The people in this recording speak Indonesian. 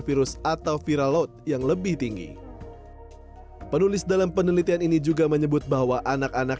virus atau viral load yang lebih tinggi penulis dalam penelitian ini juga menyebut bahwa anak anak